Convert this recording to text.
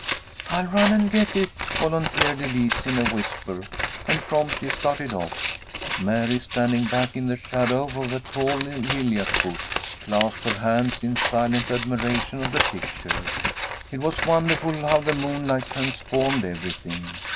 "I'll run and get it," volunteered Elise in a whisper, and promptly started off. Mary, standing back in the shadow of a tall lilac bush, clasped her hands in silent admiration of the picture. It was wonderful how the moonlight transformed everything.